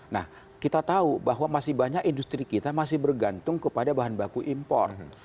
nah kita tahu bahwa masih banyak industri kita masih bergantung kepada bahan baku impor